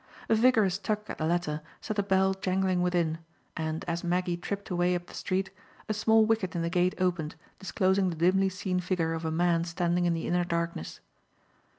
A vigorous tug at the latter set a bell jangling within, and, as Maggie tripped away up the street, a small wicket in the gate opened, disclosing the dimly seen figure of a man standing in the inner darkness.